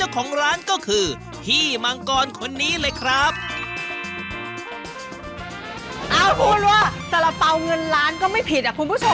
เป่าเงินล้านก็ไม่ผิดอ่ะคุณผู้ชม